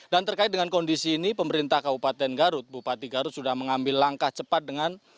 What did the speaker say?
dan terkait dengan kondisi ini pemerintah kabupaten garut bupati garut sudah mengambil langkah cepat dengan